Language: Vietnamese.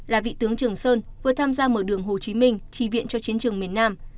là vị tướng trường sơn vừa tham gia mở đường hồ chí minh tri viện cho chiến trường miền nam